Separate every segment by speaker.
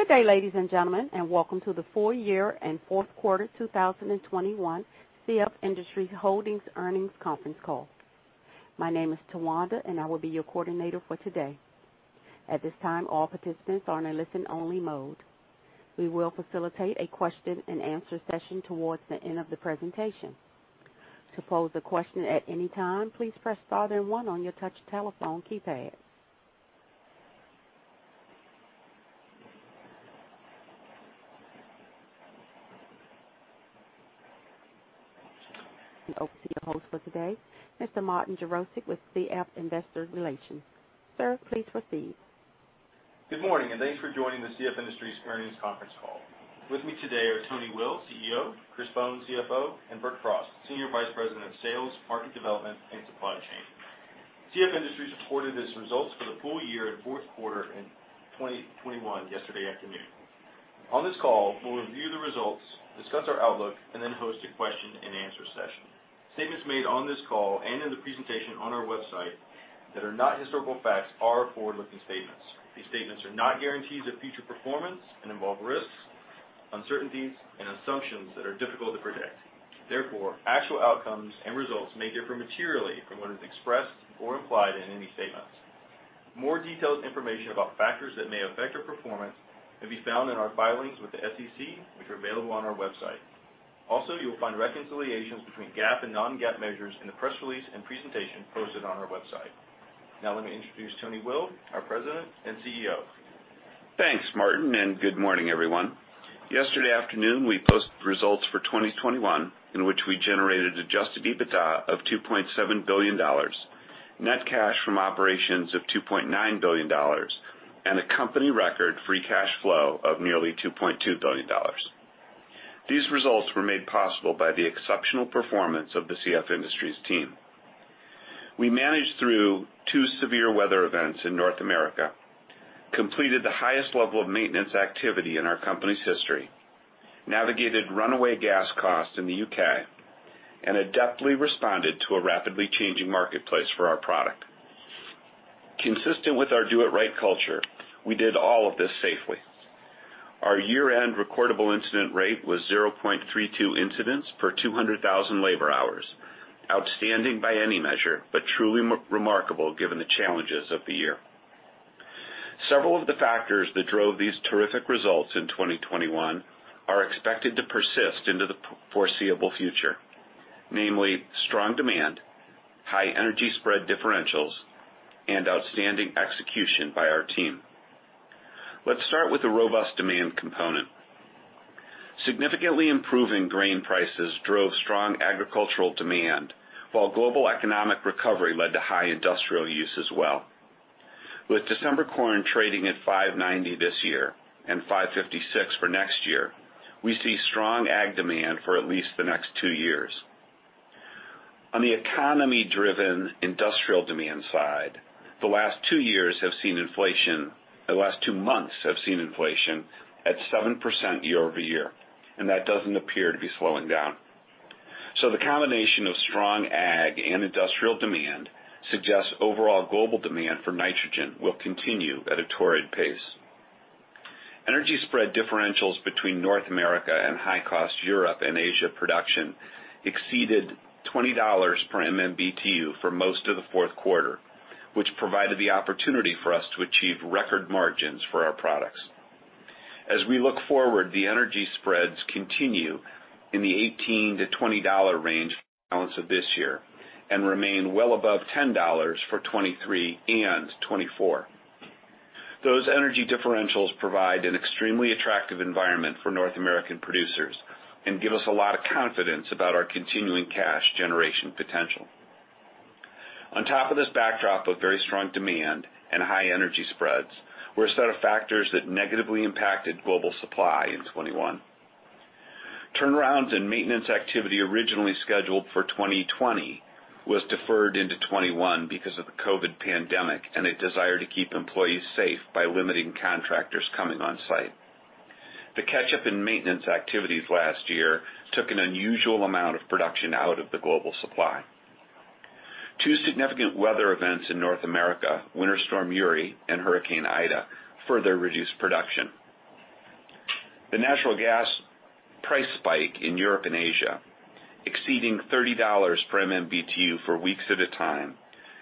Speaker 1: Good day, ladies and gentlemen, and welcome to the full year and fourth quarter 2021 CF Industries Holdings earnings conference call. My name is Tawanda, and I will be your coordinator for today. At this time, all participants are in a listen-only mode., We will facilitate a question-and-answer session towards the end of the presentation. To pose a question at any time, please press star then one on your touch telephone keypad. The host for today, Mr. Martin Jarosik with CF Investor Relations. Sir, please proceed.
Speaker 2: Good morning, and thanks for joining the CF Industries earnings conference call. With me today are Tony Will, CEO, Christopher Bohn, CFO, and Bert Frost, Senior Vice President of Sales, Market Development, and Supply Chain. CF Industries reported its results for the full year and fourth quarter of 2021 yesterday afternoon. On this call, we'll review the results, discuss our outlook, and then host a question-and-answer session. Statements made on this call and in the presentation on our website that are not historical facts are forward-looking statements. These statements are not guarantees of future performance and involve risks, uncertainties and assumptions that are difficult to predict. Therefore, actual outcomes and results may differ materially from what is expressed or implied in any statements. More detailed information about factors that may affect our performance can be found in our filings with the SEC, which are available on our website. Also, you will find reconciliations between GAAP and non-GAAP measures in the press release and presentation posted on our website. Now let me introduce Tony Will, our President and CEO.
Speaker 3: Thanks, Martin, and good morning, everyone. Yesterday afternoon, we posted results for 2021, in which we generated adjusted EBITDA of $2.7 billion, net cash from operations of $2.9 billion, and a company record free cash flow of nearly $2.2 billion. These results were made possible by the exceptional performance of the CF Industries team. We managed through two severe weather events in North America, completed the highest level of maintenance activity in our company's history, navigated runaway gas costs in the U.K., and adeptly responded to a rapidly changing marketplace for our product. Consistent with our do it right culture, we did all of this safely. Our year-end recordable incident rate was 0.32 incidents per 200,000 labor hours. Outstanding by any measure, but truly remarkable given the challenges of the year. Several of the factors that drove these terrific results in 2021 are expected to persist into the foreseeable future, namely strong demand, high energy spread differentials, and outstanding execution by our team. Let's start with the robust demand component. Significantly improving grain prices drove strong agricultural demand, while global economic recovery led to high industrial use as well. With December corn trading at $5.90 this year and $5.56 for next year, we see strong ag demand for at least the next two years. On the economy-driven industrial demand side, the last two months have seen inflation at 7% year-over-year, and that doesn't appear to be slowing down. The combination of strong ag and industrial demand suggests overall global demand for nitrogen will continue at a torrid pace. Energy spread differentials between North America and high-cost Europe and Asia production exceeded $20 per MMBTU for most of the fourth quarter, which provided the opportunity for us to achieve record margins for our products. As we look forward, the energy spreads continue in the $18-$20 range for the balance of this year and remain well above $10 for 2023 and 2024. Those energy differentials provide an extremely attractive environment for North American producers and give us a lot of confidence about our continuing cash generation potential. On top of this backdrop of very strong demand and high energy spreads were a set of factors that negatively impacted global supply in 2021. Turnarounds and maintenance activity originally scheduled for 2020 was deferred into 2021 because of the COVID pandemic and a desire to keep employees safe by limiting contractors coming on site. The catch-up in maintenance activities last year took an unusual amount of production out of the global supply. Two significant weather events in North America, Winter Storm Uri and Hurricane Ida, further reduced production. The natural gas price spike in Europe and Asia exceeding $30 per MMBTU for weeks at a time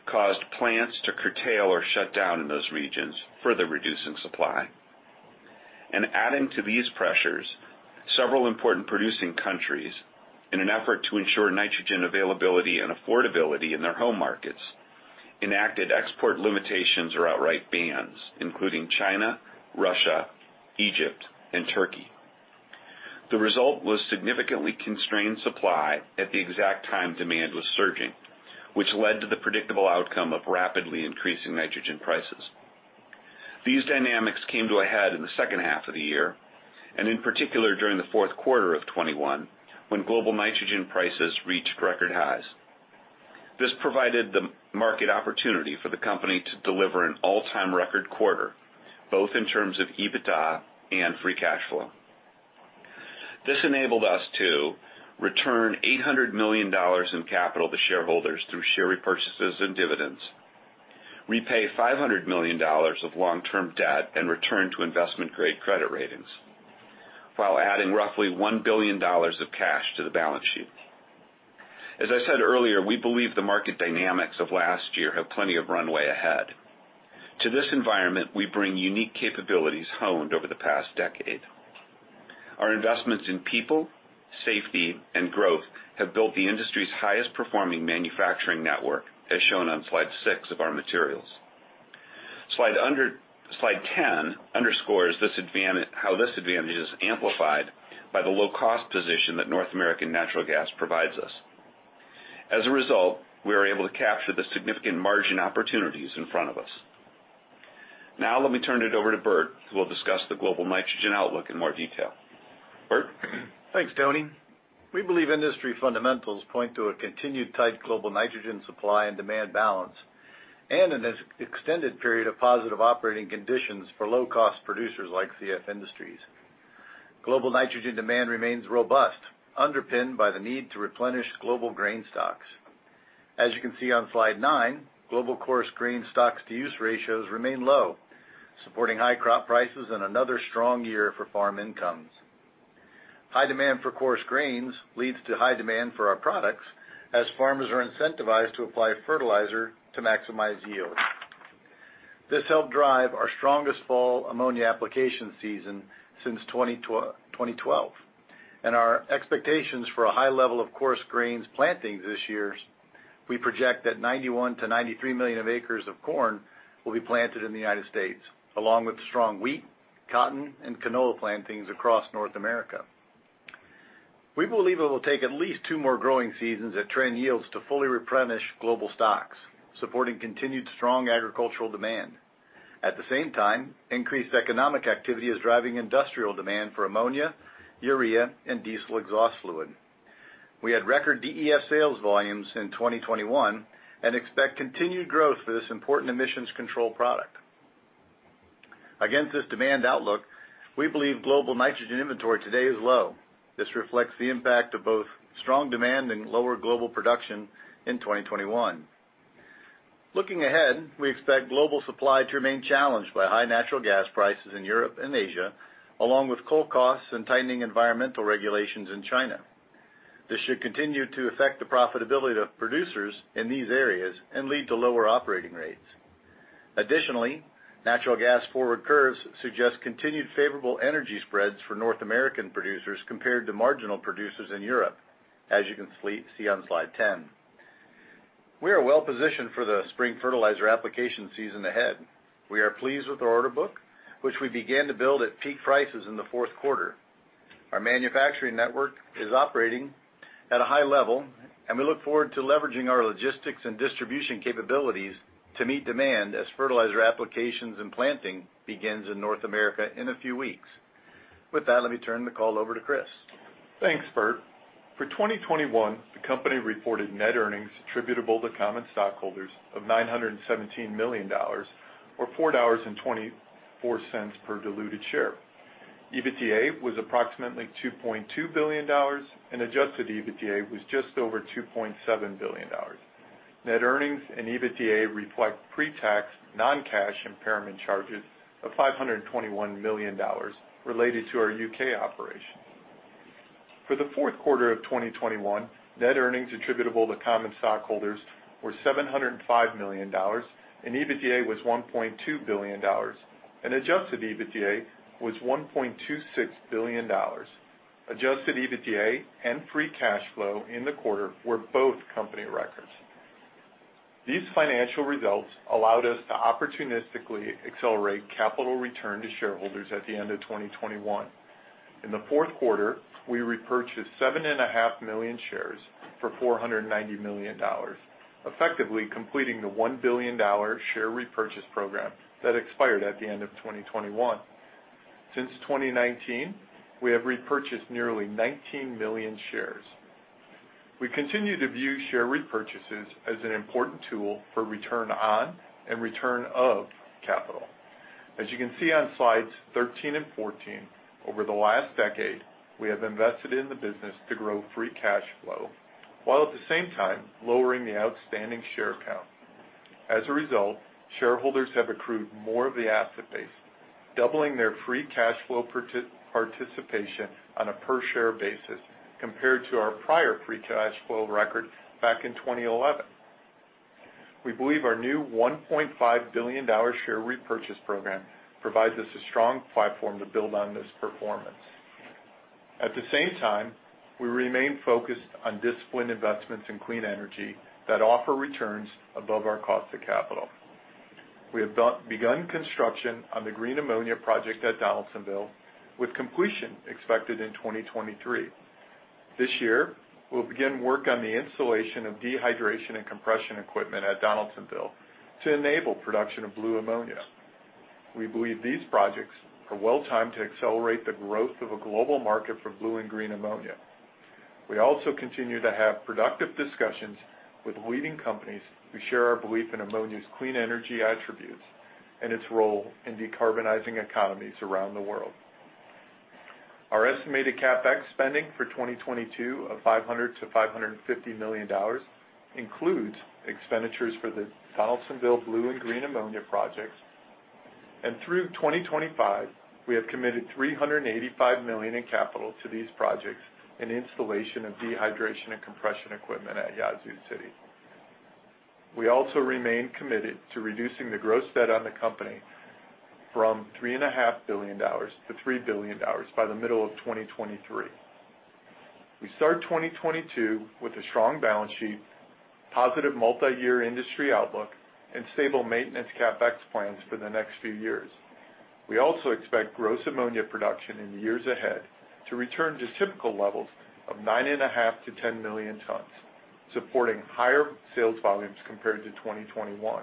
Speaker 3: caused plants to curtail or shut down in those regions, further reducing supply. Adding to these pressures, several important producing countries, in an effort to ensure nitrogen availability and affordability in their home markets, enacted export limitations or outright bans, including China, Russia, Egypt, and Turkey. The result was significantly constrained supply at the exact time demand was surging, which led to the predictable outcome of rapidly increasing nitrogen prices. These dynamics came to a head in the second half of the year, and in particular during the fourth quarter of 2021, when global nitrogen prices reached record highs. This provided the market opportunity for the company to deliver an all-time record quarter, both in terms of EBITDA and free cash flow. This enabled us to return $800 million in capital to shareholders through share repurchases and dividends, repay $500 million of long-term debt, and return to investment-grade credit ratings, while adding roughly $1 billion of cash to the balance sheet. As I said earlier, we believe the market dynamics of last year have plenty of runway ahead.
Speaker 4: To this environment, we bring unique capabilities honed over the past decade. Our investments in people, safety, and growth have built the industry's highest performing manufacturing network, as shown on slide six of our materials. Slide 10 underscores how this advantage is amplified by the low-cost position that North American natural gas provides us. As a result, we are able to capture the significant margin opportunities in front of us. Now let me turn it over to Bert, who will discuss the global nitrogen outlook in more detail. Bert?
Speaker 5: Thanks, Tony. We believe industry fundamentals point to a continued tight global nitrogen supply and demand balance, and an extended period of positive operating conditions for low-cost producers like CF Industries. Global nitrogen demand remains robust, underpinned by the need to replenish global grain stocks. As you can see on slide nine, global coarse grain stocks to use ratios remain low, supporting high crop prices and another strong year for farm incomes. High demand for coarse grains leads to high demand for our products as farmers are incentivized to apply fertilizer to maximize yield. This helped drive our strongest fall ammonia application season since 2012. Our expectations for a high level of coarse grains plantings this year, we project that 91-93 million acres of corn will be planted in the United States, along with strong wheat, cotton, and canola plantings across North America. We believe it will take at least two more growing seasons at trend yields to fully replenish global stocks, supporting continued strong agricultural demand. At the same time, increased economic activity is driving industrial demand for ammonia, urea, and diesel exhaust fluid. We had record DEF sales volumes in 2021, and expect continued growth for this important emissions control product. Against this demand outlook, we believe global nitrogen inventory today is low. This reflects the impact of both strong demand and lower global production in 2021. Looking ahead, we expect global supply to remain challenged by high natural gas prices in Europe and Asia, along with coal costs and tightening environmental regulations in China. This should continue to affect the profitability of producers in these areas and lead to lower operating rates. Additionally, natural gas forward curves suggest continued favorable energy spreads for North American producers compared to marginal producers in Europe, as you can see on slide 10. We are well positioned for the spring fertilizer application season ahead. We are pleased with our order book, which we began to build at peak prices in the fourth quarter. Our manufacturing network is operating at a high level, and we look forward to leveraging our logistics and distribution capabilities to meet demand as fertilizer applications and planting begins in North America in a few weeks. With that, let me turn the call over to Chris.
Speaker 4: Thanks, Bert. For 2021, the company reported net earnings attributable to common stockholders of $917 million, or $4.24 per diluted share. EBITDA was approximately $2.2 billion, and adjusted EBITDA was just over $2.7 billion. Net earnings and EBITDA reflect pre-tax non-cash impairment charges of $521 million related to our U.K. operations. For the fourth quarter of 2021, net earnings attributable to common stockholders were $705 million, and EBITDA was $1.2 billion, and adjusted EBITDA was $1.26 billion. Adjusted EBITDA and free cash flow in the quarter were both company records. These financial results allowed us to opportunistically accelerate capital return to shareholders at the end of 2021. In the fourth quarter, we repurchased 7.5 million shares for $490 million, effectively completing the $1 billion share repurchase program that expired at the end of 2021. Since 2019, we have repurchased nearly 19 million shares. We continue to view share repurchases as an important tool for return on and return of capital. As you can see on slides 13 and 14, over the last decade, we have invested in the business to grow free cash flow, while at the same time lowering the outstanding share count. As a result, shareholders have accrued more of the asset base, doubling their free cash flow participation on a per share basis compared to our prior free cash flow record back in 2011. We believe our new $1.5 billion share repurchase program provides us a strong platform to build on this performance. At the same time, we remain focused on disciplined investments in clean energy that offer returns above our cost of capital. We have begun construction on the green ammonia project at Donaldsonville, with completion expected in 2023. This year, we'll begin work on the installation of dehydration and compression equipment at Donaldsonville to enable production of blue ammonia. We believe these projects are well-timed to accelerate the growth of a global market for blue and green ammonia. We also continue to have productive discussions with leading companies who share our belief in ammonia's clean energy attributes and its role in decarbonizing economies around the world. Our estimated CapEx spending for 2022 of $500 million-$550 million includes expenditures for the Donaldsonville blue and green ammonia projects. Through 2025, we have committed $385 million in capital to these projects and installation of dehydration and compression equipment at Yazoo City. We also remain committed to reducing the gross debt on the company from $3.5 billion to $3 billion by the middle of 2023. We start 2022 with a strong balance sheet, positive multiyear industry outlook and stable maintenance CapEx plans for the next few years. We also expect gross ammonia production in the years ahead to return to typical levels of 9.5-10 million tons, supporting higher sales volumes compared to 2021.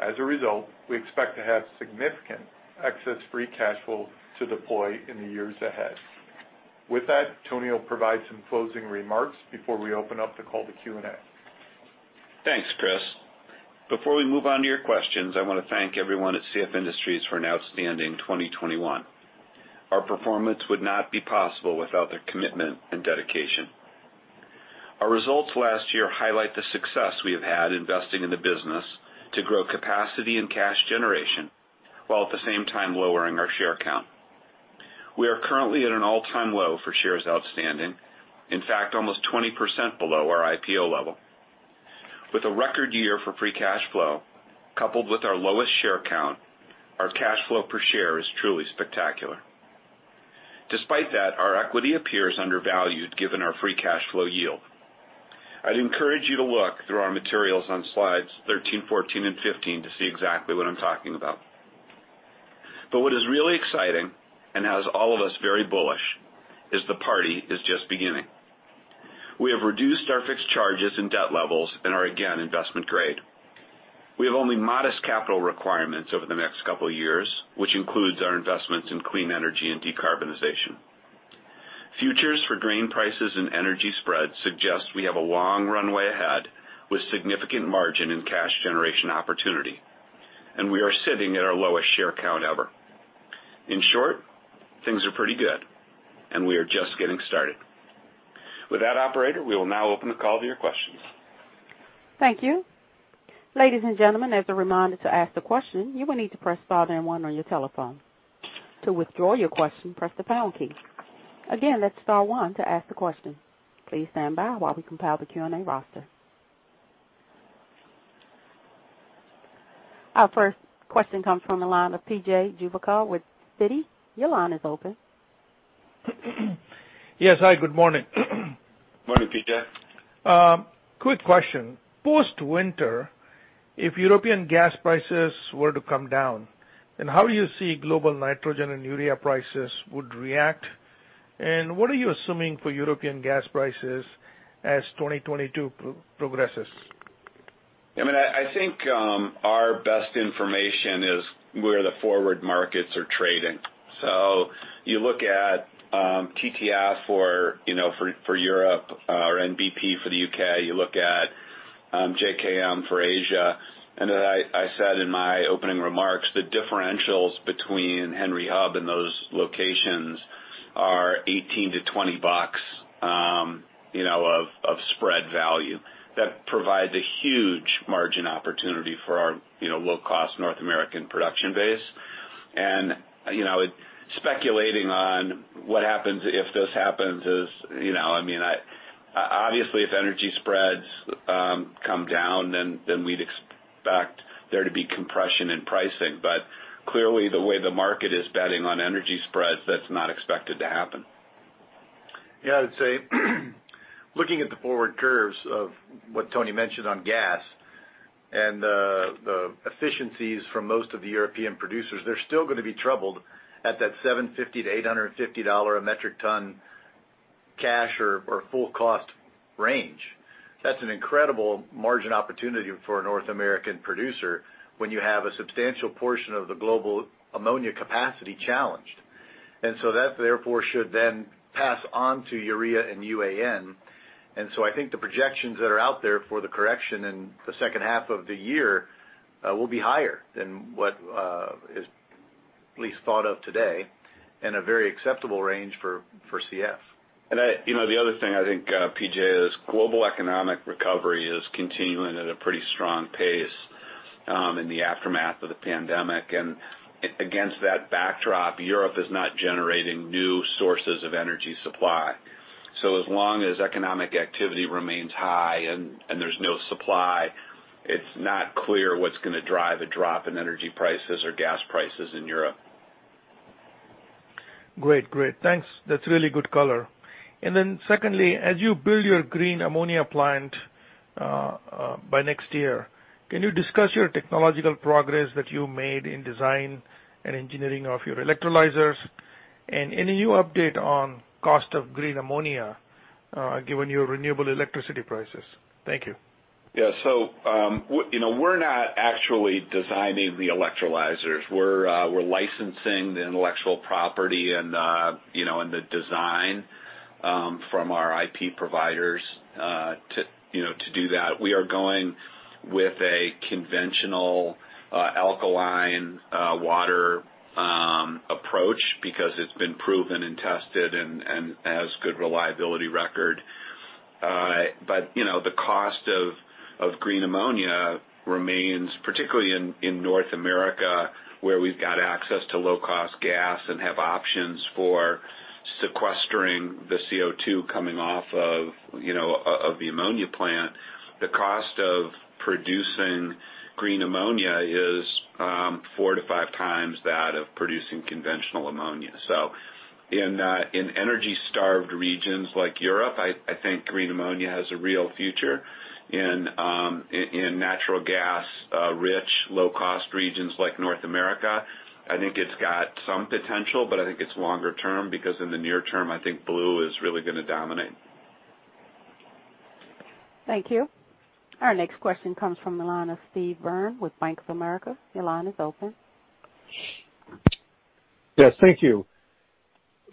Speaker 4: As a result, we expect to have significant excess free cash flow to deploy in the years ahead. With that, Tony will provide some closing remarks before we open up the call to Q&A.
Speaker 3: Thanks, Chris. Before we move on to your questions, I want to thank everyone at CF Industries for an outstanding 2021. Our performance would not be possible without their commitment and dedication. Our results last year highlight the success we have had investing in the business to grow capacity and cash generation while at the same time lowering our share count. We are currently at an all-time low for shares outstanding. In fact, almost 20% below our IPO level. With a record year for free cash flow, coupled with our lowest share count, our cash flow per share is truly spectacular. Despite that, our equity appears undervalued given our free cash flow yield. I'd encourage you to look through our materials on slides 13, 14, and 15 to see exactly what I'm talking about. What is really exciting and has all of us very bullish is the party is just beginning. We have reduced our fixed charges and debt levels and are again investment grade. We have only modest capital requirements over the next couple of years, which includes our investments in clean energy and decarbonization. Futures for grain prices and energy spreads suggest we have a long runway ahead with significant margin in cash generation opportunity, and we are sitting at our lowest share count ever. In short, things are pretty good, and we are just getting started. With that, operator, we will now open the call to your questions.
Speaker 1: Thank you. Ladies and gentlemen, as a reminder to ask the question, you will need to press star then one on your telephone. To withdraw your question, press the pound key. Again, that's star one to ask the question. Please stand by while we compile the Q&A roster. Our first question comes from the line of P.J. Juvekar with Citi. Your line is open.
Speaker 6: Yes. Hi, good morning.
Speaker 3: Morning, P.J.
Speaker 6: Quick question. Post-winter, if European gas prices were to come down, then how do you see global nitrogen and Urea prices would react? What are you assuming for European gas prices as 2022 progresses?
Speaker 3: I mean, I think our best information is where the forward markets are trading. You look at TTF for, you know, Europe or NBP for the U.K. You look at JKM for Asia. As I said in my opening remarks, the differentials between Henry Hub and those locations are $18-$20 of spread value. That provides a huge margin opportunity for our, you know, low cost North American production base. Speculating on what happens if this happens is, you know, I mean, obviously, if energy spreads come down, then we'd expect there to be compression in pricing. Clearly, the way the market is betting on energy spreads, that's not expected to happen.
Speaker 4: Yeah, I'd say looking at the forward curves of what Tony mentioned on gas and the efficiencies from most of the European producers, they're still gonna be troubled at that $750-$850 a metric ton cash or full cost range. That's an incredible margin opportunity for a North American producer when you have a substantial portion of the global ammonia capacity challenged. That therefore should then pass on to urea and UAN. I think the projections that are out there for the correction in the second half of the year will be higher than what is at least thought of today, and a very acceptable range for CF.
Speaker 3: I, you know, the other thing I think, P.J., is global economic recovery is continuing at a pretty strong pace in the aftermath of the pandemic. Against that backdrop, Europe is not generating new sources of energy supply. As long as economic activity remains high and there's no supply, it's not clear what's gonna drive a drop in energy prices or gas prices in Europe.
Speaker 6: Great. Thanks. That's really good color. Then secondly, as you build your green ammonia plant by next year, can you discuss your technological progress that you made in design and engineering of your electrolyzers? Any new update on cost of green ammonia, given your renewable electricity prices? Thank you.
Speaker 5: Yeah. You know, we're not actually designing the electrolyzers. We're licensing the intellectual property and you know, and the design from our IP providers to you know, to do that. We are going with a conventional alkaline water approach because it's been proven and tested and has good reliability record. But you know, the cost of green ammonia remains, particularly in North America, where we've got access to low-cost gas and have options for sequestering the CO2 coming off of the ammonia plant. The cost of producing green ammonia is 4-5 times that of producing conventional ammonia. In energy-starved regions like Europe, I think green ammonia has a real future. In natural gas-rich, low-cost regions like North America, I think it's got some potential, but I think it's longer term, because in the near term, I think blue is really gonna dominate.
Speaker 1: Thank you. Our next question comes from the line of Steve Byrne with Bank of America. Your line is open.
Speaker 7: Yes, thank you.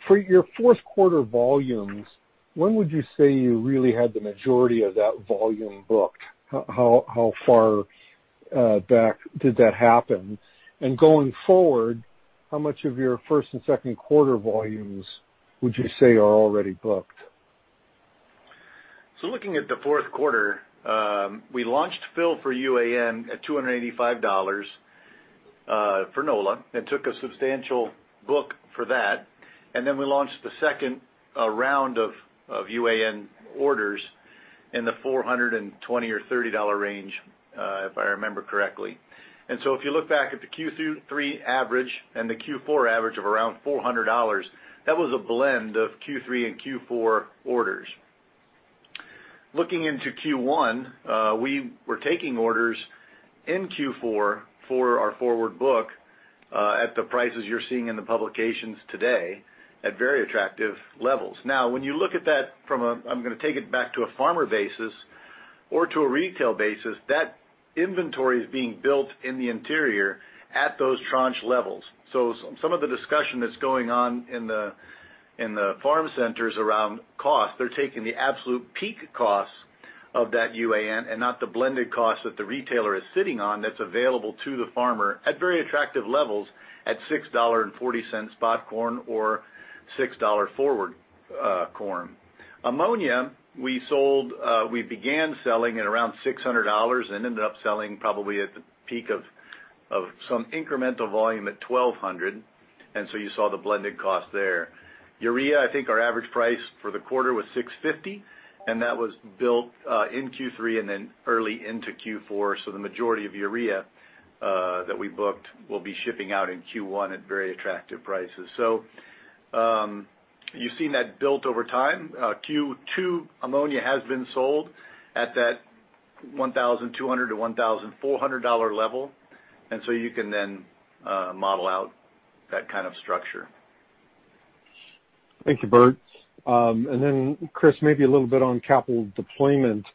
Speaker 7: For your fourth quarter volumes, when would you say you really had the majority of that volume booked? How far back did that happen? Going forward, how much of your first and second quarter volumes would you say are already booked?
Speaker 5: Looking at the fourth quarter, we launched fill for UAN at $285 for NOLA, and took a substantial book for that. Then we launched the second round of UAN orders in the $420-$430 range, if I remember correctly. If you look back at the Q3 average and the Q4 average of around $400, that was a blend of Q3 and Q4 orders. Looking into Q1, we were taking orders in Q4 for our forward book at the prices you're seeing in the publications today at very attractive levels. Now, when you look at that from a farmer basis or to a retail basis, that inventory is being built in the interior at those tranche levels. Some of the discussion that's going on in the farm centers around cost. They're taking the absolute peak cost of that UAN and not the blended cost that the retailer is sitting on that's available to the farmer at very attractive levels at $6.40 spot corn or $6 forward corn. Ammonia, we sold, we began selling at around $600 and ended up selling probably at the peak of some incremental volume at $1,200, and you saw the blended cost there. Urea, I think our average price for the quarter was $650, and that was built in Q3 and then early into Q4. The majority of urea that we booked will be shipping out in Q1 at very attractive prices. You've seen that built over time. Q2 Ammonia has been sold at that $1,200-$1,400 level. You can then model out that kind of structure.
Speaker 7: Thank you, Bert. Chris, maybe a little bit on capital deployment.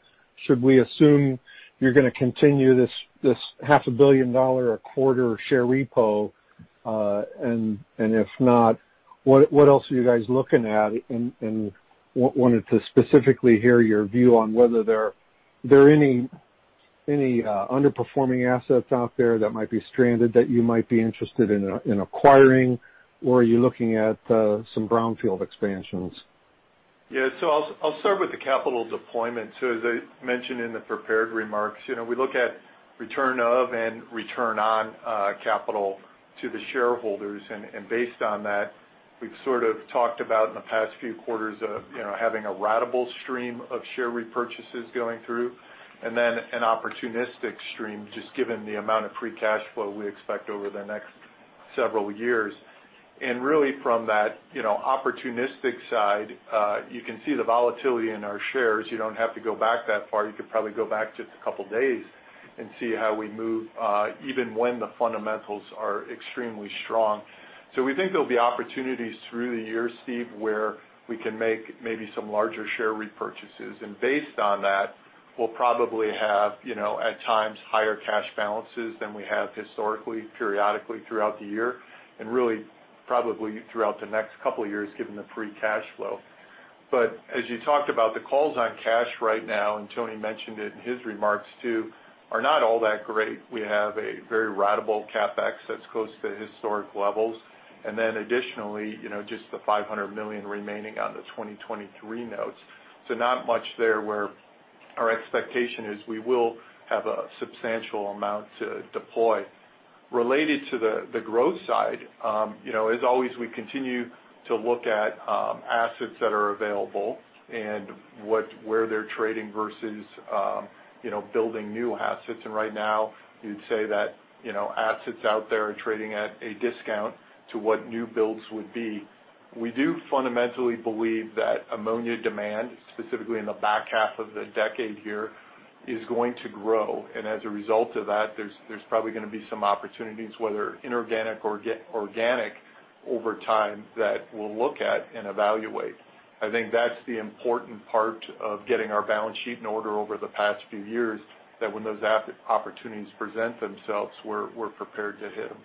Speaker 7: Should we assume you're gonna continue this $ half a billion dollars a quarter share repurchase? If not, what else are you guys looking at? I wanted to specifically hear your view on whether there are any underperforming assets out there that might be stranded that you might be interested in acquiring, or are you looking at some brownfield expansions?
Speaker 4: Yeah. I'll start with the capital deployment. As I mentioned in the prepared remarks, you know, we look at return of and return on capital to the shareholders. Based on that, we've sort of talked about in the past few quarters of, you know, having a ratable stream of share repurchases going through and then an opportunistic stream, just given the amount of free cash flow we expect over the next several years. Really from that, you know, opportunistic side, you can see the volatility in our shares. You don't have to go back that far. You could probably go back just a couple days and see how we move, even when the fundamentals are extremely strong. We think there'll be opportunities through the year, Steve, where we can make maybe some larger share repurchases. Based on that, we'll probably have, you know, at times, higher cash balances than we have historically, periodically throughout the year, and really probably throughout the next couple of years, given the free cash flow. As you talked about the calls on cash right now, and Tony mentioned it in his remarks too, are not all that great. We have a very ratable CapEx that's close to historic levels. Then additionally, you know, just the $500 million remaining on the 2023 notes. Not much there where our expectation is we will have a substantial amount to deploy. Related to the growth side, you know, as always, we continue to look at assets that are available and where they're trading versus, you know, building new assets. Right now you'd say that, you know, assets out there are trading at a discount to what new builds would be. We do fundamentally believe that Ammonia demand, specifically in the back half of the decade here, is going to grow. As a result of that, there's probably gonna be some opportunities, whether inorganic or organic over time, that we'll look at and evaluate. I think that's the important part of getting our balance sheet in order over the past few years, that when those opportunities present themselves, we're prepared to hit them.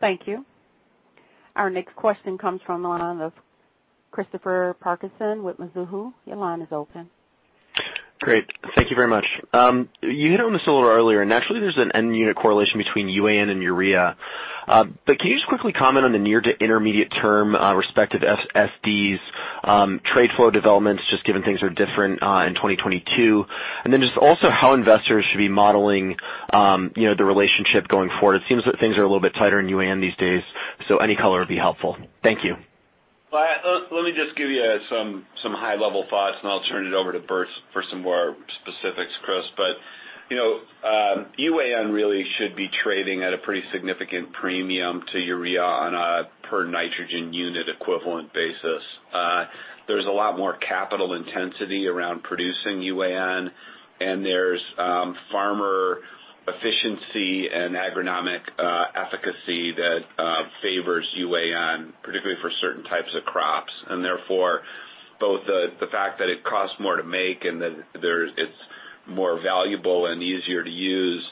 Speaker 1: Thank you. Our next question comes from the line of Christopher Parkinson with Mizuho. Your line is open.
Speaker 8: Great. Thank you very much. You hit on this a little earlier, and actually there's an end-use correlation between UAN and Urea. But can you just quickly comment on the near- to intermediate-term respective S&Ds, trade flow developments, just given things are different in 2022? Just also how investors should be modeling, you know, the relationship going forward. It seems that things are a little bit tighter in UAN these days, so any color would be helpful. Thank you.
Speaker 3: Well, let me just give you some high level thoughts, and I'll turn it over to Burt for some more specifics, Chris. You know, UAN really should be trading at a pretty significant premium to urea on a per nitrogen unit equivalent basis. There's a lot more capital intensity around producing UAN and there's farmer efficiency and agronomic efficacy that favors UAN, particularly for certain types of crops. Therefore, both the fact that it costs more to make and that it's more valuable and easier to use,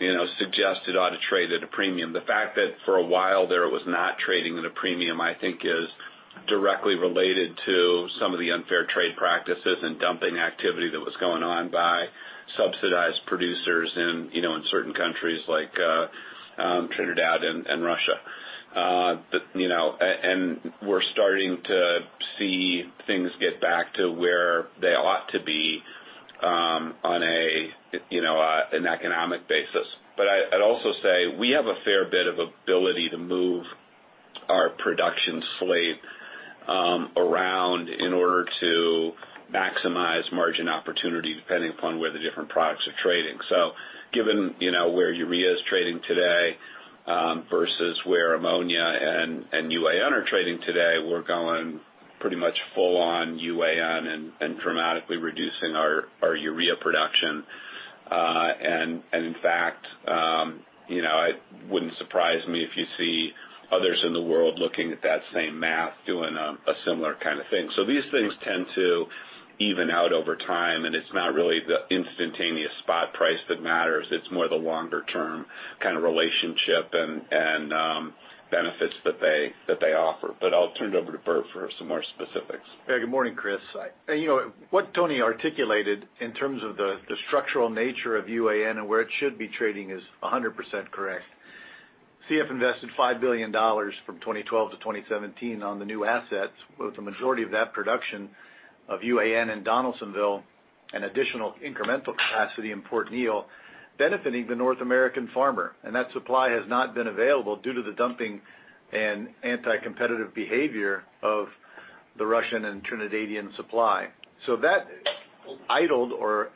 Speaker 3: you know, suggests it ought to trade at a premium. The fact that for a while there, it was not trading at a premium, I think is directly related to some of the unfair trade practices and dumping activity that was going on by subsidized producers in you know certain countries like Trinidad and Russia. But you know and we're starting to see things get back to where they ought to be on you know an economic basis. I'd also say we have a fair bit of ability to move our production slate around in order to maximize margin opportunity depending upon where the different products are trading. Given you know where Urea is trading today versus where Ammonia and UAN are trading today, we're going pretty much full on UAN and dramatically reducing our Urea production. In fact, you know, it wouldn't surprise me if you see others in the world looking at that same math, doing a similar kind of thing. These things tend to even out over time, and it's not really the instantaneous spot price that matters, it's more the longer term kind of relationship and benefits that they offer. I'll turn it over to Bert for some more specifics.
Speaker 5: Yeah. Good morning, Chris. You know, what Tony articulated in terms of the structural nature of UAN and where it should be trading is 100% correct. CF invested $5 billion from 2012 to 2017 on the new assets, with the majority of that production of UAN in Donaldsonville, an additional incremental capacity in Port Neal, benefiting the North American farmer. That supply has not been available due to the dumping and anti-competitive behavior of the Russian and Trinidadian supply. That idled or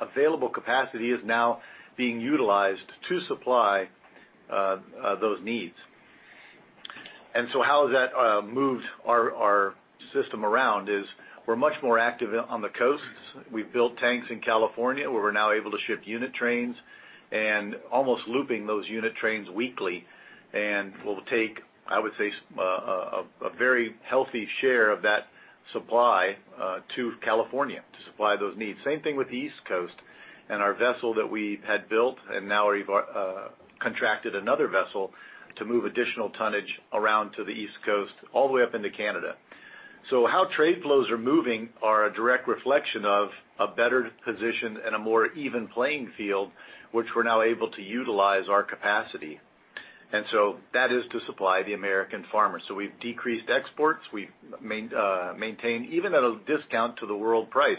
Speaker 5: available capacity is now being utilized to supply those needs. How that moves our system around is we're much more active on the coasts. We've built tanks in California, where we're now able to ship unit trains and almost looping those unit trains weekly. We'll take, I would say, a very healthy share of that supply to California to supply those needs. Same thing with the East Coast and our vessel that we had built and now we've contracted another vessel to move additional tonnage around to the East Coast all the way up into Canada. How trade flows are moving are a direct reflection of a better position and a more even playing field, which we're now able to utilize our capacity. That is to supply the American farmers. We've decreased exports. We've maintained even at a discount to the world price.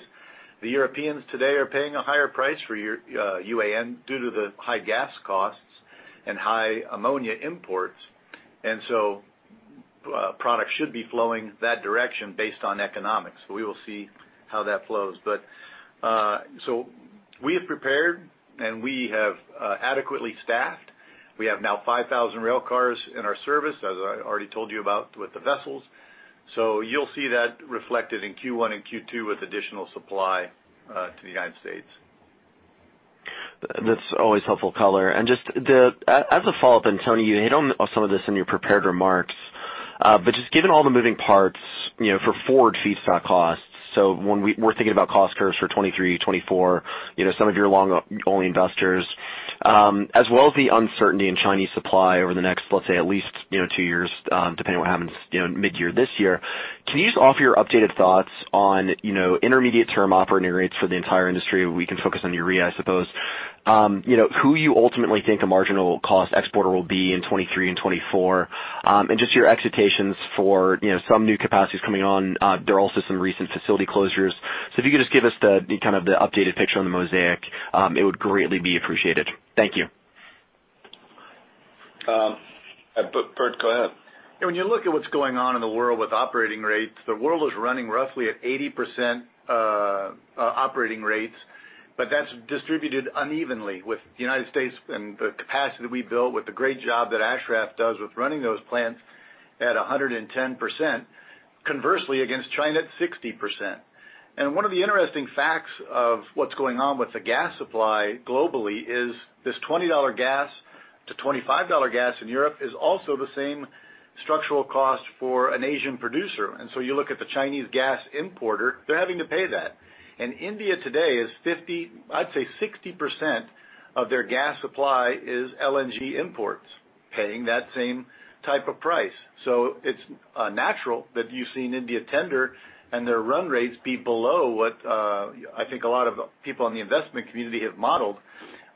Speaker 5: The Europeans today are paying a higher price for UAN due to the high gas costs and high ammonia imports. Products should be flowing that direction based on economics. We will see how that flows. We have prepared and adequately staffed. We have now 5,000 rail cars in our service, as I already told you about with the vessels. You'll see that reflected in Q1 and Q2 with additional supply to the United States.
Speaker 8: That's always helpful color. As a follow-up then, Tony, you hit on some of this in your prepared remarks. Just given all the moving parts, you know, for forward feedstock costs, we're thinking about cost curves for 2023, 2024, you know, some of your long only investors, as well as the uncertainty in Chinese supply over the next, let's say at least, you know, two years, depending on what happens, you know, mid-year this year. Can you just offer your updated thoughts on, you know, intermediate term operating rates for the entire industry? We can focus on Urea, I suppose. You know, who you ultimately think a marginal cost exporter will be in 2023 and 2024. Just your expectations for, you know, some new capacities coming on. There are also some recent facility closures. If you could just give us the, kind of the updated picture on the Mosaic, it would greatly be appreciated. Thank you.
Speaker 3: Bert, go ahead.
Speaker 5: When you look at what's going on in the world with operating rates, the world is running roughly at 80% operating rates, but that's distributed unevenly with the United States and the capacity we built with the great job that Ashraf does with running those plants at 110%. Conversely against China at 60%. One of the interesting facts of what's going on with the gas supply globally is this $20 gas to $25 gas in Europe is also the same structural cost for an Asian producer. You look at the Chinese gas importer, they're having to pay that. India today is, I'd say, 60% of their gas supply is LNG imports paying that same type of price. It's natural that you see India tender and their run rates be below what I think a lot of people in the investment community have modeled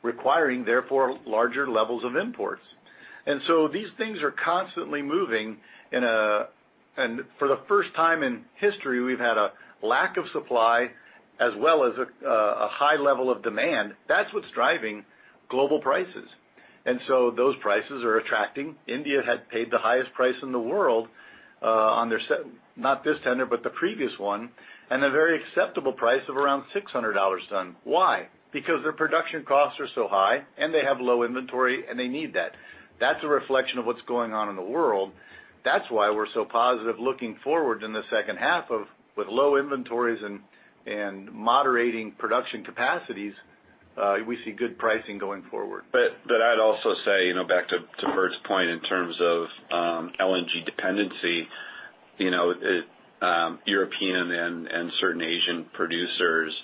Speaker 5: requiring, therefore, larger levels of imports. These things are constantly moving and for the first time in history, we've had a lack of supply as well as a high level of demand. That's what's driving global prices. Those prices are attracting. India had paid the highest price in the world on their tender, not this tender, but the previous one, and a very acceptable price of around $600/ton. Why? Because their production costs are so high, and they have low inventory, and they need that. That's a reflection of what's going on in the world. That's why we're so positive, looking forward in the second half with low inventories and moderating production capacities. We see good pricing going forward.
Speaker 3: I'd also say, you know, back to Bert's point in terms of LNG dependency, you know, European and certain Asian producers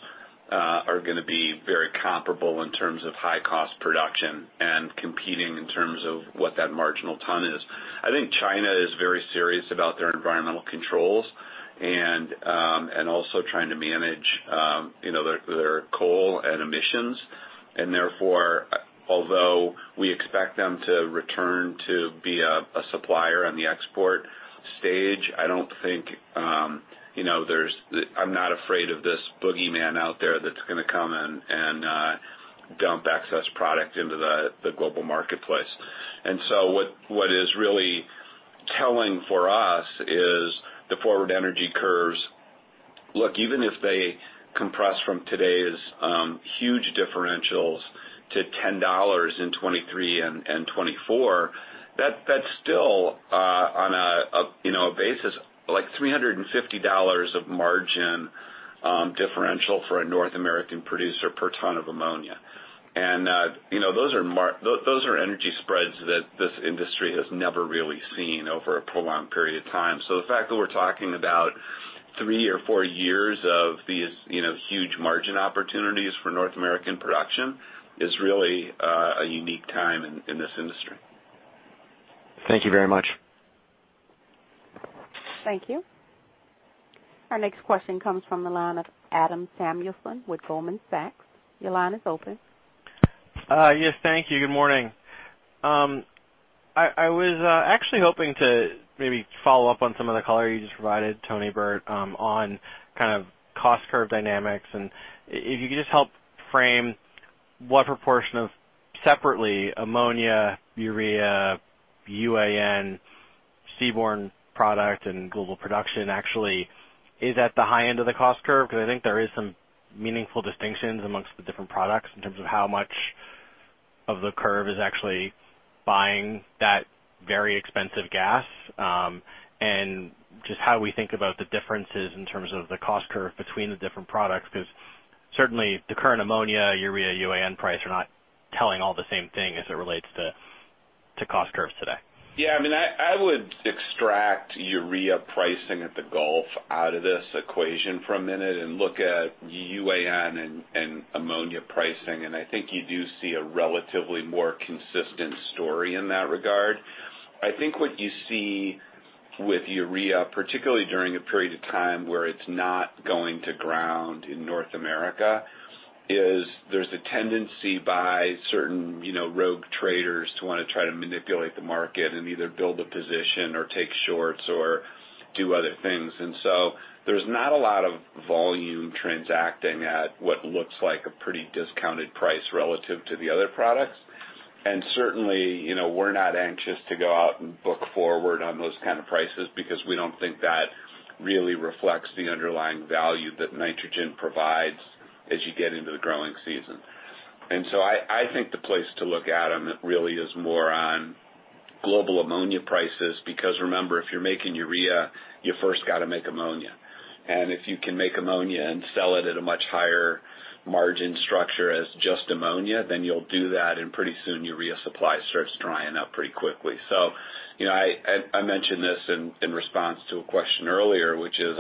Speaker 3: are gonna be very comparable in terms of high cost production and competing in terms of what that marginal ton is. I think China is very serious about their environmental controls and also trying to manage, you know, their coal and emissions. Therefore, although we expect them to return to be a supplier on the export stage, I don't think, you know, there's I'm not afraid of this boogeyman out there that's gonna come and dump excess product into the global marketplace. What is really telling for us is the forward energy curves. Look, even if they compress from today's huge differentials to $10 in 2023 and 2024, that's still, you know, on a basis like $350 of margin differential for a North American producer per ton of ammonia. You know, those are energy spreads that this industry has never really seen over a prolonged period of time. The fact that we're talking about three or four years of these, you know, huge margin opportunities for North American production is really a unique time in this industry.
Speaker 8: Thank you very much.
Speaker 1: Thank you. Our next question comes from the line of Adam Samuelson with Goldman Sachs. Your line is open.
Speaker 9: Yes, thank you. Good morning. I was actually hoping to maybe follow up on some of the color you just provided, Tony, Bert, on kind of cost curve dynamics. If you could just help frame what proportion of separate Ammonia, Urea, UAN, seaborne product and global production actually is at the high end of the cost curve, because I think there is some meaningful distinctions amongst the different products in terms of how much of the curve is actually buying that very expensive gas. Just how we think about the differences in terms of the cost curve between the different products. Because certainly the current Ammonia, Urea, UAN price are not telling all the same thing as it relates to cost curves today.
Speaker 3: Yeah. I mean, I would extract Urea pricing at the Gulf out of this equation for a minute and look at UAN and ammonia pricing. I think you do see a relatively more consistent story in that regard. I think what you see with Urea, particularly during a period of time where it's not going to ground in North America, is there's a tendency by certain, you know, rogue traders to wanna try to manipulate the market and either build a position or take shorts or do other things. There's not a lot of volume transacting at what looks like a pretty discounted price relative to the other products. Certainly, you know, we're not anxious to go out and book forward on those kind of prices because we don't think that really reflects the underlying value that nitrogen provides as you get into the growing season. I think the place to look at, really is more on global ammonia prices. Because remember, if you're making urea, you first got to make ammonia. If you can make ammonia and sell it at a much higher margin structure as just ammonia, then you'll do that, and pretty soon urea supply starts drying up pretty quickly. You know, I mentioned this in response to a question earlier, which is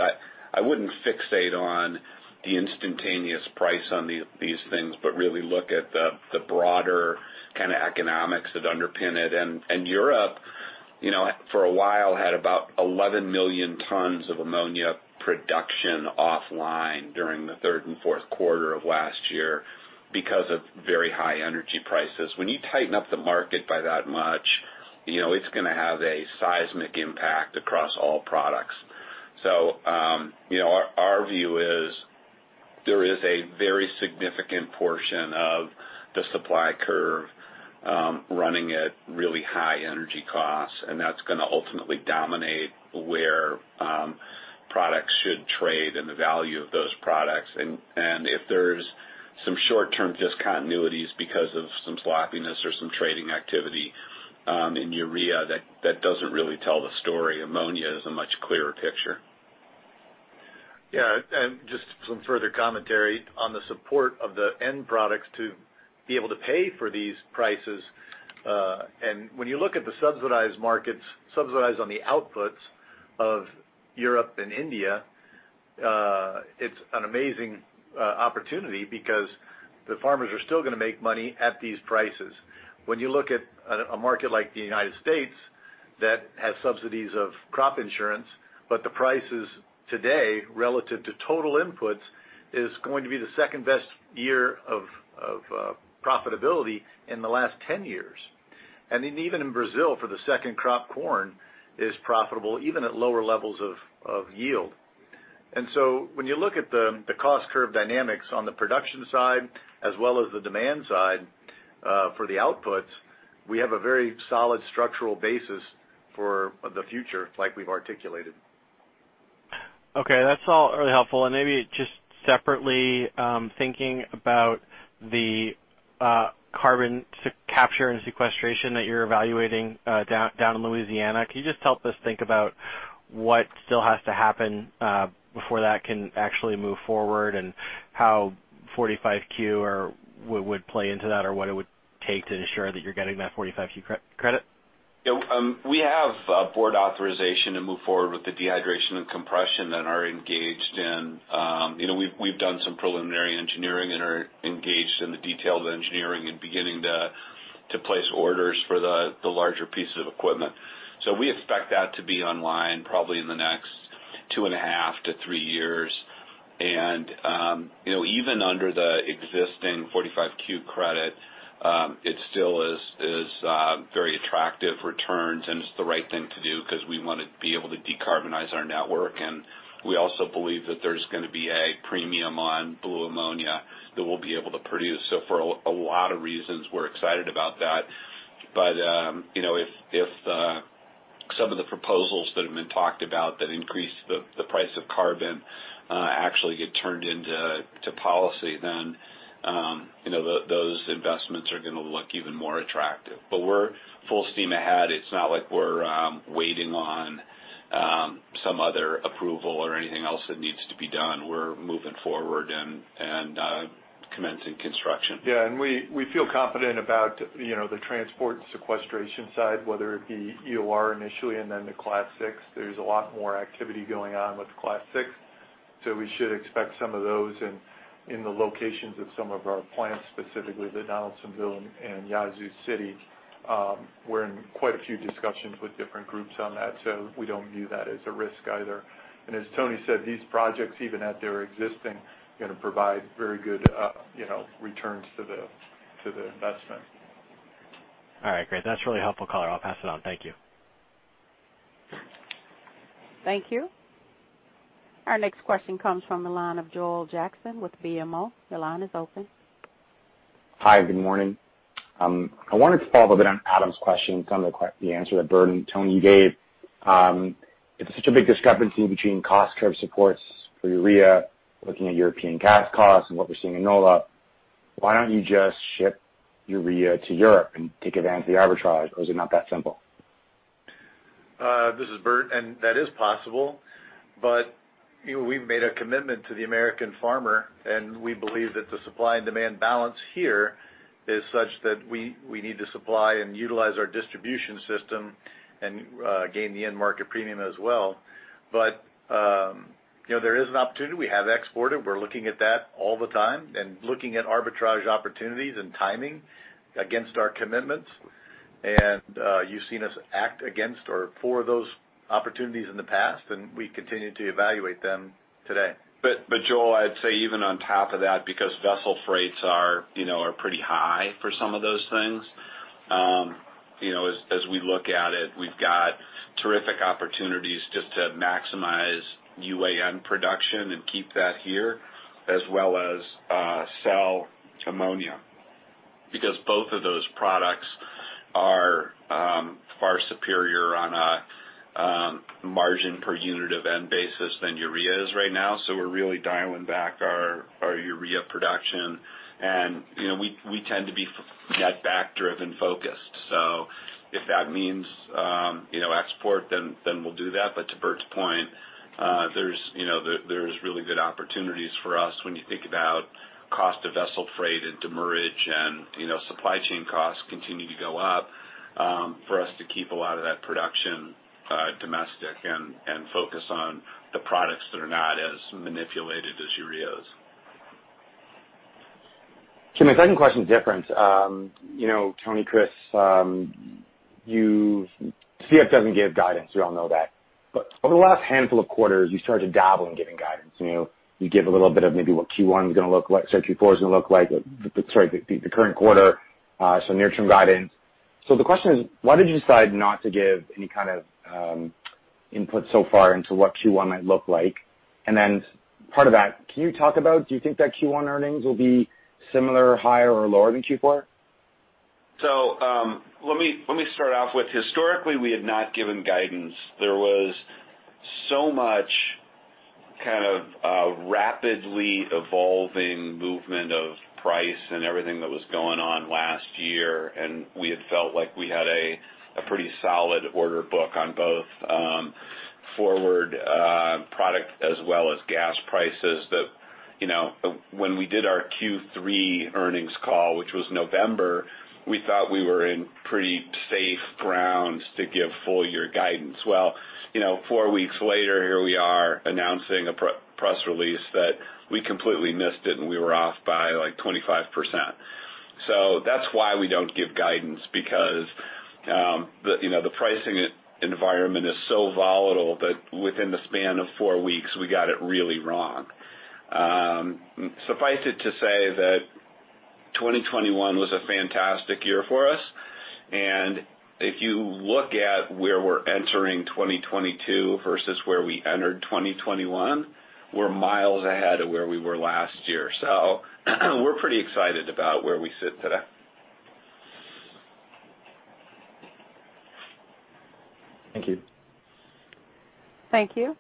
Speaker 3: I wouldn't fixate on the instantaneous price on these things, but really look at the broader kind of economics that underpin it. Europe, you know, for a while had about 11 million tons of ammonia production offline during the third and fourth quarter of last year because of very high energy prices. When you tighten up the market by that much, you know, it's gonna have a seismic impact across all products. Our view is there is a very significant portion of the supply curve running at really high energy costs, and that's gonna ultimately dominate where products should trade and the value of those products, and if there's some short-term discontinuities because of some sloppiness or some trading activity in Urea, that doesn't really tell the story. Ammonia is a much clearer picture.
Speaker 5: Yeah. Just some further commentary on the support of the end products to be able to pay for these prices. When you look at the subsidized markets, subsidized on the outputs of Europe and India, it's an amazing opportunity because the farmers are still gonna make money at these prices. When you look at a market like the United States that has subsidies of crop insurance, but the prices today relative to total inputs is going to be the second-best year of profitability in the last 10 years. Even in Brazil, for the second crop, corn is profitable even at lower levels of yield. When you look at the cost curve dynamics on the production side as well as the demand side, for the outputs, we have a very solid structural basis for the future like we've articulated.
Speaker 9: Okay, that's all really helpful. Maybe just separately, thinking about the carbon capture and sequestration that you're evaluating down in Louisiana, can you just help us think about what still has to happen before that can actually move forward and how Section 45Q would play into that or what it would take to ensure that you're getting that Section 45Q credit?
Speaker 3: Yeah. We have board authorization to move forward with the dehydration and compression and are engaged in, you know, we've done some preliminary engineering and are engaged in the detailed engineering and beginning to place orders for the larger pieces of equipment. We expect that to be online probably in the next 2.5-3 years. Even under the existing Section 45Q credit, it still is very attractive returns, and it's the right thing to do 'cause we wanna be able to decarbonize our network. We also believe that there's gonna be a premium on blue ammonia that we'll be able to produce. For a lot of reasons, we're excited about that. You know, if some of the proposals that have been talked about that increase the price of carbon actually get turned into policy, then you know those investments are gonna look even more attractive. We're full steam ahead. It's not like we're waiting on some other approval or anything else that needs to be done. We're moving forward and commencing construction.
Speaker 5: Yeah. We feel confident about, you know, the transport and sequestration side, whether it be EOR initially and then the Class VI. There's a lot more activity going on with Class VI. We should expect some of those in the locations of some of our plants, specifically the Donaldsonville and Yazoo City. We're in quite a few discussions with different groups on that, so we don't view that as a risk either. As Tony said, these projects, even at their existing, gonna provide very good returns to the investment.
Speaker 9: All right. Great. That's really helpful color. I'll pass it on. Thank you.
Speaker 1: Thank you. Our next question comes from the line of Joel Jackson with BMO. Your line is open.
Speaker 10: Hi. Good morning. I wanted to follow up a bit on Adam's question from the answer that Bert and Tony gave. If such a big discrepancy between cost curve supports for urea, looking at European gas costs and what we're seeing in NOLA, why don't you just ship urea to Europe and take advantage of the arbitrage, or is it not that simple?
Speaker 5: This is Bert. That is possible, but, you know, we've made a commitment to the American farmer, and we believe that the supply and demand balance here is such that we need to supply and utilize our distribution system and gain the end market premium as well. You know, there is an opportunity. We have exported. We're looking at that all the time and looking at arbitrage opportunities and timing against our commitments. You've seen us act against or for those opportunities in the past, and we continue to evaluate them today.
Speaker 3: Joel, I'd say even on top of that, because vessel freights are, you know, pretty high for some of those things, you know, as we look at it, we've got terrific opportunities just to maximize UAN production and keep that here as well as sell Ammonia. Because both of those products are far superior on a margin per unit of N basis than Urea is right now. We're really dialing back our Urea production. You know, we tend to be netback driven focused. If that means export, then we'll do that. To Bert's point, you know, there's really good opportunities for us when you think about cost of vessel freight and demurrage and, you know, supply chain costs continue to go up for us to keep a lot of that production domestic and focus on the products that are not as manipulated as Urea is.
Speaker 10: Can my second question different? You know, Tony, Chris, you CF doesn't give guidance. We all know that. Over the last handful of quarters, you started to dabble in giving guidance. You know, you give a little bit of maybe what Q4 is gonna look like, but the current quarter, so near-term guidance. The question is why did you decide not to give any kind of input so far into what Q1 might look like? Then part of that, can you talk about do you think that Q1 earnings will be similar, higher or lower than Q4?
Speaker 5: Let me start off with historically, we had not given guidance. There was so much kind of rapidly evolving movement of price and everything that was going on last year, and we had felt like we had a pretty solid order book on both forward product as well as gas prices that, you know, when we did our Q3 earnings call, which was November, we thought we were in pretty safe grounds to give full year guidance. Well, you know, four weeks later, here we are announcing a press release that we completely missed it, and we were off by like 25%. That's why we don't give guidance because, you know, the pricing environment is so volatile that within the span of four weeks, we got it really wrong. Suffice it to say that 2021 was a fantastic year for us. If you look at where we're entering 2022 versus where we entered 2021, we're miles ahead of where we were last year. We're pretty excited about where we sit today.
Speaker 10: Thank you.
Speaker 1: Thank you.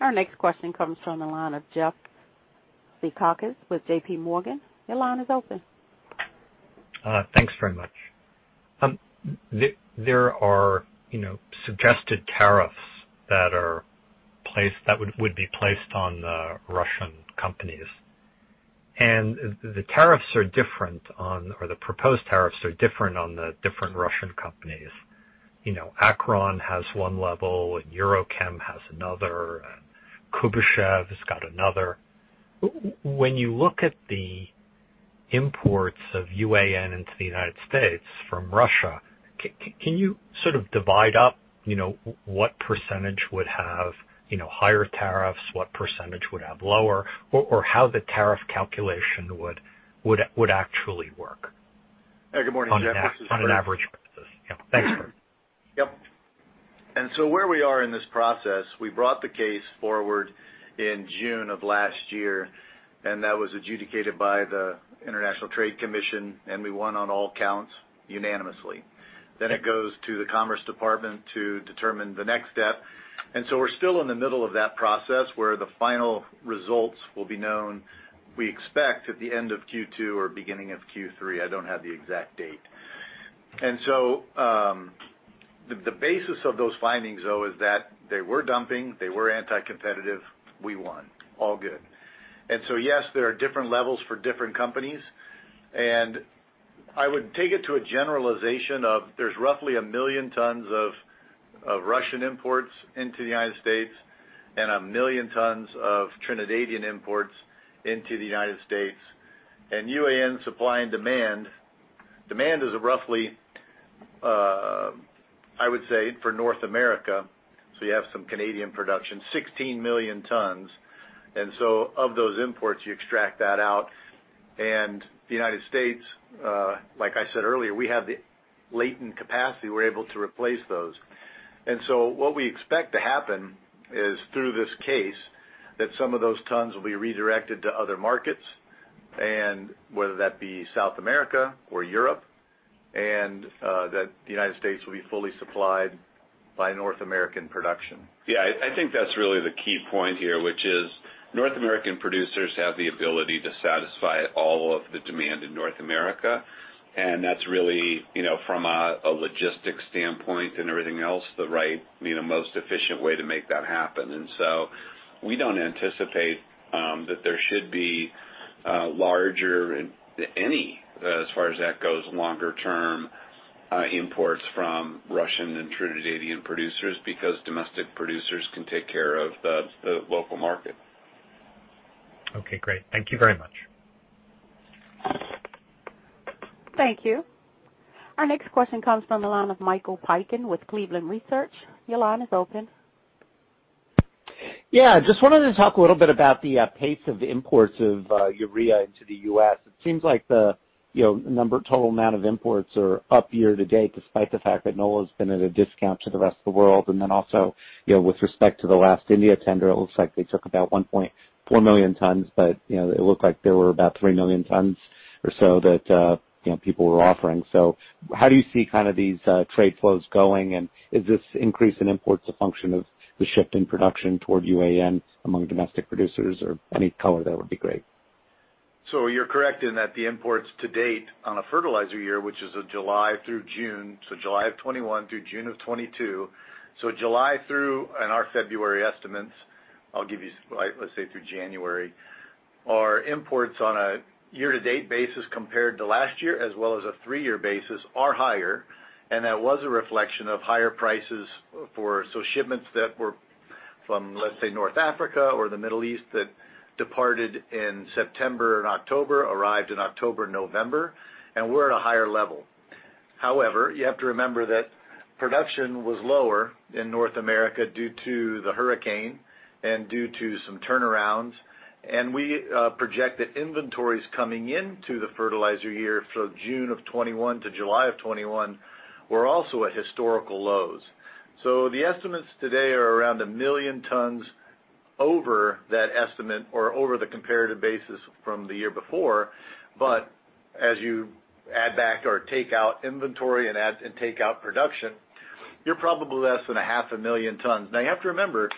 Speaker 1: Our next question comes from the line of Jeff Zekauskas with J.P. Morgan. Your line is open.
Speaker 11: Thanks very much. There are, you know, suggested tariffs that would be placed on Russian companies. The tariffs are different or the proposed tariffs are different on the different Russian companies. You know, Acron has one level, and EuroChem has another, and KuibyshevAzot has got another. When you look at the imports of UAN into the United States from Russia, can you sort of divide up, you know, what percentage would have, you know, higher tariffs, what percentage would have lower, or how the tariff calculation would actually work?
Speaker 5: Good morning, Jeff. This is Bert.
Speaker 11: On an average basis. Yeah, thanks, Bert.
Speaker 5: Yep. Where we are in this process, we brought the case forward in June of last year, and that was adjudicated by the International Trade Commission, and we won on all counts unanimously. It goes to the Commerce Department to determine the next step. We're still in the middle of that process where the final results will be known, we expect at the end of Q2 or beginning of Q3. I don't have the exact date. The basis of those findings, though, is that they were dumping, they were anti-competitive, we won. All good. Yes, there are different levels for different companies. I would take it to a generalization of there's roughly one million tons of Russian imports into the United States and one million tons of Trinidadian imports into the United States. UAN supply and demand is roughly, I would say for North America, so you have some Canadian production, 16 million tons. Of those imports, you extract that out. The United States, like I said earlier, we have the latent capacity, we're able to replace those. What we expect to happen is through this case, that some of those tons will be redirected to other markets, and whether that be South America or Europe, that the United States will be fully supplied by North American production.
Speaker 3: Yeah, I think that's really the key point here, which is North American producers have the ability to satisfy all of the demand in North America, and that's really, you know, from a logistics standpoint and everything else, the right, you know, most efficient way to make that happen. We don't anticipate that there should be any longer-term imports from Russian and Trinidadian producers because domestic producers can take care of the local market.
Speaker 11: Okay, great. Thank you very much.
Speaker 1: Thank you. Our next question comes from the line of Michael Piken with Cleveland Research. Your line is open.
Speaker 12: Yeah, just wanted to talk a little bit about the pace of imports of urea into the U.S. It seems like the you know total amount of imports are up year to date despite the fact that NOLA has been at a discount to the rest of the world. Then also, you know, with respect to the last India tender, it looks like they took about 1.4 million tons, but you know it looked like there were about three million tons or so that you know people were offering. How do you see kind of these trade flows going? Is this increase in imports a function of the shift in production toward UAN among domestic producers or any color? That would be great.
Speaker 5: You're correct in that the imports to date on a fertilizer year, which is a July through June, July 2021 through June 2022. July through in our February estimates, I'll give you, let's say through January, our imports on a year-to-date basis compared to last year as well as a three-year basis are higher. And that was a reflection of higher prices for so shipments that were from, let's say, North Africa or the Middle East that departed in September and October, arrived in October, November, and we're at a higher level. However, you have to remember that production was lower in North America due to the hurricane and due to some turnarounds. We project that inventories coming into the fertilizer year from June 2021 to July 2021 were also at historical lows. The estimates today are around 1 million tons.
Speaker 3: Over that estimate or over the comparative basis from the year before. As you add back or take out inventory and add and take out production, you're probably less than half a million tons. Now you have to remember,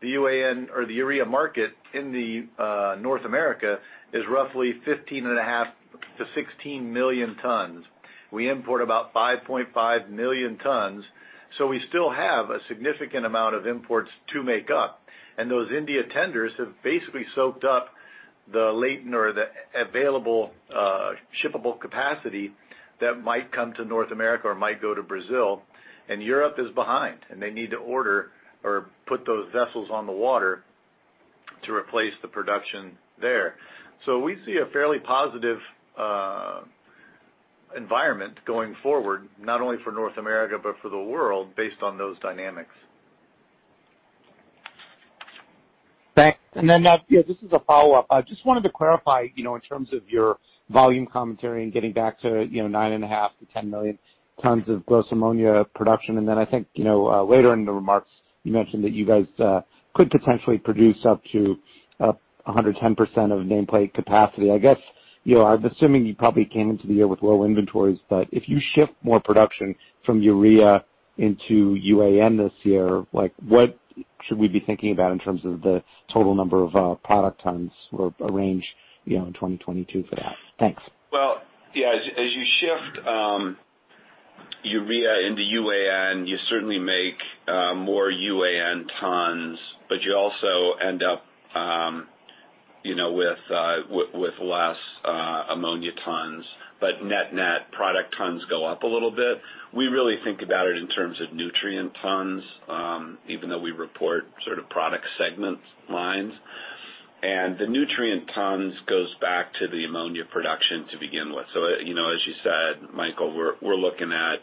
Speaker 3: the UAN or the urea market in the North America is roughly 15.5-16 million tons. We import about 5.5 million tons, so we still have a significant amount of imports to make up. Those India tenders have basically soaked up the latent or the available shippable capacity that might come to North America or might go to Brazil. Europe is behind, and they need to order or put those vessels on the water to replace the production there. We see a fairly positive environment going forward, not only for North America, but for the world based on those dynamics.
Speaker 12: Thanks. This is a follow-up. I just wanted to clarify, you know, in terms of your volume commentary and getting back to, you know, 9.5-10 million tons of gross ammonia production. I think, you know, later in the remarks, you mentioned that you guys could potentially produce up to 110% of nameplate capacity. I guess, you know, I'm assuming you probably came into the year with low inventories, but if you shift more production from Urea into UAN this year, like, what should we be thinking about in terms of the total number of product tons or a range, you know, in 2022 for that? Thanks.
Speaker 3: Well, yeah, as you shift urea into UAN, you certainly make more UAN tons, but you also end up, you know, with less ammonia tons. net-net product tons go up a little bit. We really think about it in terms of nutrient tons, even though we report sort of product segments lines. The nutrient tons goes back to the ammonia production to begin with. you know, as you said, Michael, we're looking at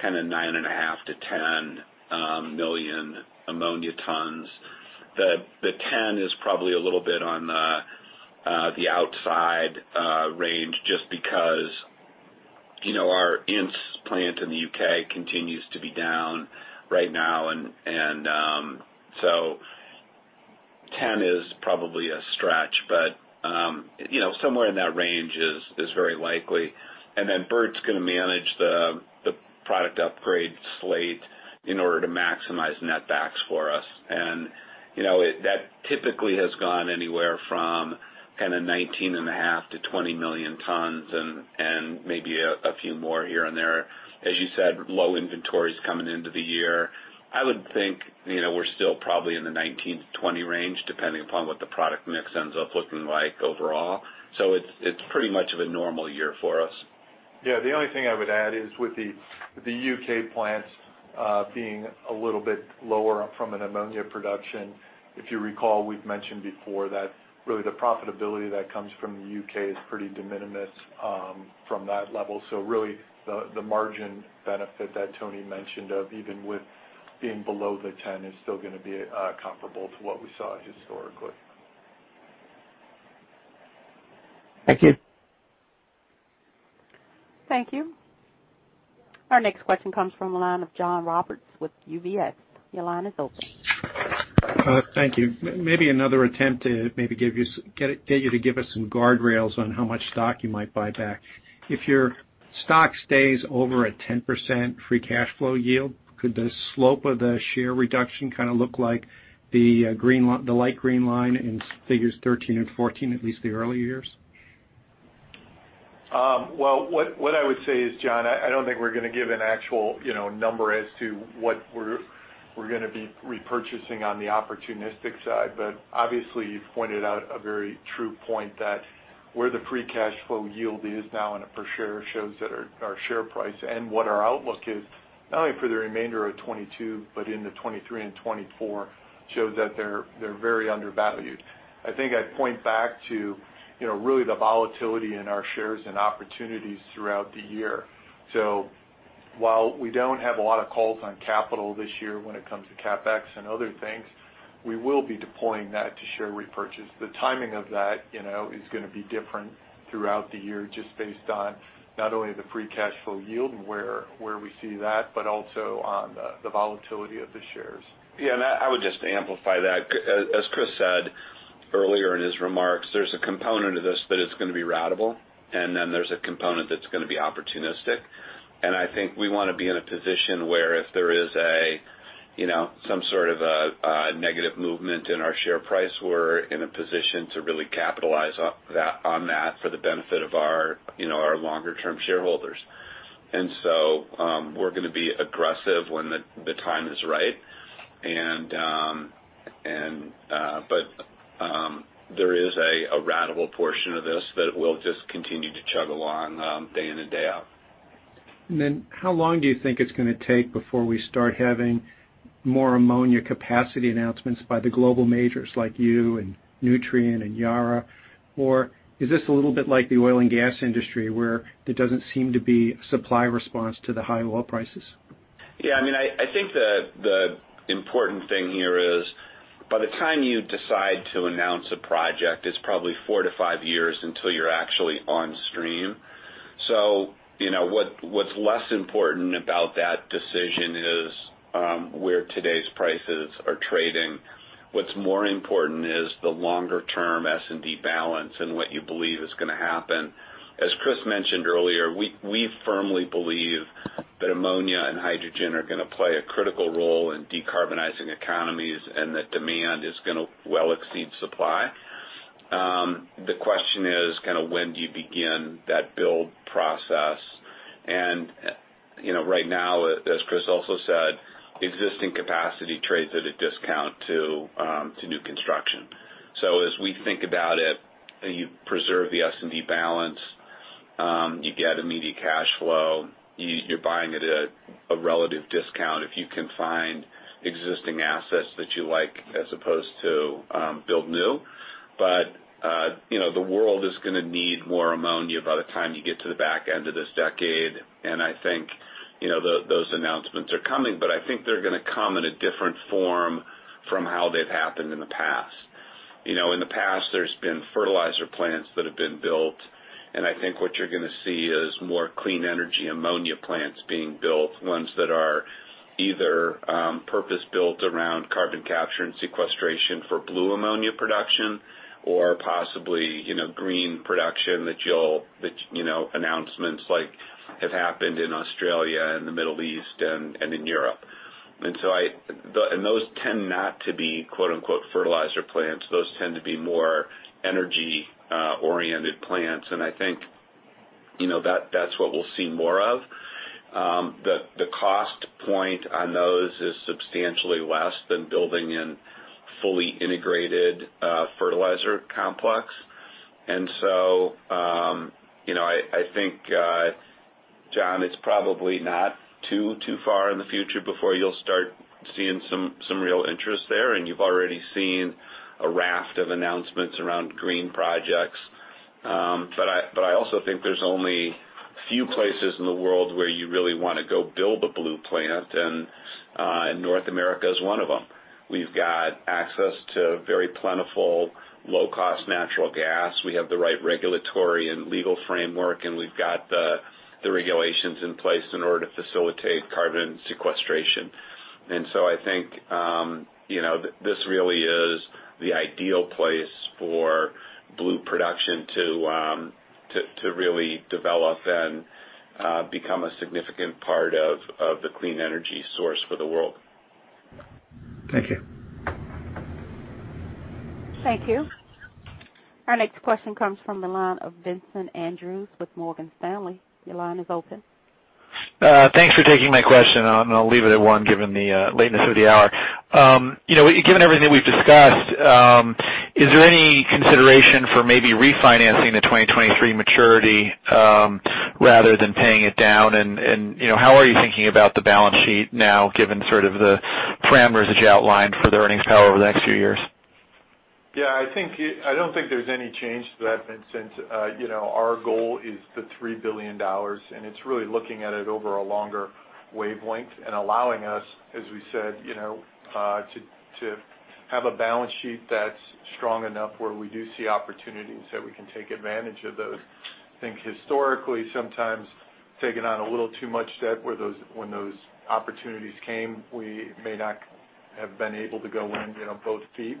Speaker 3: kind of 9.5-10 million ammonia tons. The 10 is probably a little bit on the outside range just because, you know, our Ince plant in the U.K. continues to be down right now. 10 is probably a stretch, but, you know, somewhere in that range is very likely. Then Burt's gonna manage the product upgrade slate in order to maximize netbacks for us. You know, that typically has gone anywhere from kind of 19.5-20 million tons and maybe a few more here and there. As you said, low inventories coming into the year. I would think, you know, we're still probably in the 19-20 range, depending upon what the product mix ends up looking like overall. It's pretty much of a normal year for us.
Speaker 4: Yeah. The only thing I would add is with the U.K. plants being a little bit lower from an ammonia production, if you recall, we've mentioned before that really the profitability that comes from the U.K. is pretty de minimis from that level. So really the margin benefit that Tony mentioned of even with being below the 10 is still gonna be comparable to what we saw historically.
Speaker 12: Thank you.
Speaker 1: Thank you. Our next question comes from the line of John Roberts with UBS. Your line is open.
Speaker 13: Thank you. Maybe another attempt to get you to give us some guardrails on how much stock you might buy back. If your stock stays over a 10% free cash flow yield, could the slope of the share reduction kind of look like the light green line in figures 13 and 14, at least the early years?
Speaker 4: Well, what I would say is, John, I don't think we're gonna give an actual, you know, number as to what we're gonna be repurchasing on the opportunistic side. Obviously, you've pointed out a very true point that where the free cash flow yield is now on a per share shows that our share price and what our outlook is, not only for the remainder of 2022, but into 2023 and 2024, shows that they're very undervalued. I think I'd point back to, you know, really the volatility in our shares and opportunities throughout the year. While we don't have a lot of calls on capital this year when it comes to CapEx and other things, we will be deploying that to share repurchase. The timing of that, you know, is gonna be different throughout the year just based on not only the free cash flow yield and where we see that, but also on the volatility of the shares.
Speaker 3: Yeah. I would just amplify that. As Chris said earlier in his remarks, there's a component of this that it's gonna be ratable, and then there's a component that's gonna be opportunistic. I think we wanna be in a position where if there is a, you know, some sort of a negative movement in our share price, we're in a position to really capitalize on that for the benefit of our, you know, our longer term shareholders. We're gonna be aggressive when the time is right. But there is a ratable portion of this that will just continue to chug along day in and day out.
Speaker 13: How long do you think it's gonna take before we start having more Ammonia capacity announcements by the global majors like you and Nutrien and Yara? Is this a little bit like the oil and gas industry, where there doesn't seem to be supply response to the high oil prices?
Speaker 3: Yeah, I mean, I think the important thing here is by the time you decide to announce a project, it's probably 4-5 years until you're actually on stream. You know, what's less important about that decision is where today's prices are trading. What's more important is the longer-term S&D balance and what you believe is gonna happen. As Chris mentioned earlier, we firmly believe that Ammonia and hydrogen are gonna play a critical role in decarbonizing economies, and that demand is gonna well exceed supply. The question is kind of when do you begin that build process? You know, right now, as Chris also said, existing capacity trades at a discount to new construction. As we think about it, you preserve the S&D balance, you get immediate cash flow. You're buying it at a relative discount if you can find existing assets that you like as opposed to build new. You know, the world is gonna need more ammonia by the time you get to the back end of this decade. I think, you know, those announcements are coming, but I think they're gonna come in a different form from how they've happened in the past. You know, in the past, there's been fertilizer plants that have been built. I think what you're gonna see is more clean energy ammonia plants being built, ones that are either purpose-built around carbon capture and sequestration for blue ammonia production or possibly, you know, green production. You know, announcements like have happened in Australia and the Middle East and in Europe. Those tend not to be quote-unquote fertilizer plants. Those tend to be more energy oriented plants. I think, you know, that that's what we'll see more of. The cost point on those is substantially less than building a fully integrated fertilizer complex. I think, John, it's probably not too far in the future before you'll start seeing some real interest there. You've already seen a raft of announcements around green projects. But I also think there's only a few places in the world where you really wanna go build a blue plant, and North America is one of them. We've got access to very plentiful, low-cost natural gas. We have the right regulatory and legal framework, and we've got the regulations in place in order to facilitate carbon sequestration. I think you know this really is the ideal place for blue production to really develop and become a significant part of the clean energy source for the world.
Speaker 13: Thank you.
Speaker 1: Thank you. Our next question comes from the line of Vincent Andrews with Morgan Stanley. Your line is open.
Speaker 14: Thanks for taking my question, and I'll leave it at one given the lateness of the hour. You know, given everything we've discussed, is there any consideration for maybe refinancing the 2023 maturity rather than paying it down? You know, how are you thinking about the balance sheet now given sort of the parameters that you outlined for the earnings power over the next few years?
Speaker 4: Yeah, I don't think there's any change to that, Vincent. You know, our goal is $3 billion, and it's really looking at it over a longer wavelength and allowing us, as we said, you know, to have a balance sheet that's strong enough where we do see opportunities that we can take advantage of those. I think historically, sometimes taking on a little too much debt when those opportunities came, we may not have been able to go in, you know, both feet.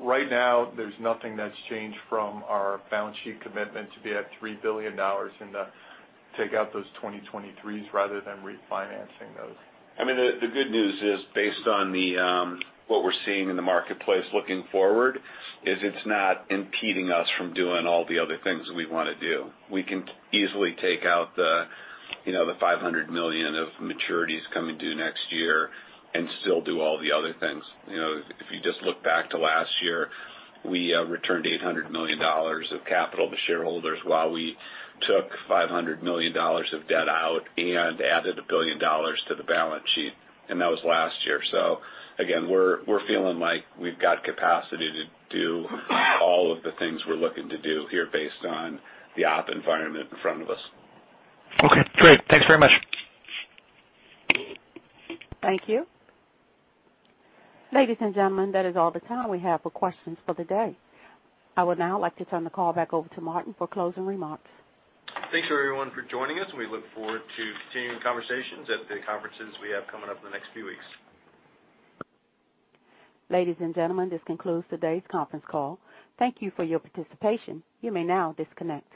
Speaker 4: Right now there's nothing that's changed from our balance sheet commitment to be at $3 billion and to take out those 2023s rather than refinancing those.
Speaker 3: I mean, the good news is based on what we're seeing in the marketplace looking forward, it's not impeding us from doing all the other things we wanna do. We can easily take out you know the $500 million of maturities coming due next year and still do all the other things. You know, if you just look back to last year, we returned $800 million of capital to shareholders while we took $500 million of debt out and added $1 billion to the balance sheet. That was last year. Again, we're feeling like we've got capacity to do all of the things we're looking to do here based on the operating environment in front of us.
Speaker 14: Okay, great. Thanks very much.
Speaker 1: Thank you. Ladies and gentlemen, that is all the time we have for questions for the day. I would now like to turn the call back over to Martin for closing remarks.
Speaker 2: Thanks everyone for joining us, and we look forward to continuing conversations at the conferences we have coming up in the next few weeks.
Speaker 1: Ladies and gentlemen, this concludes today's conference call. Thank you for your participation. You may now disconnect.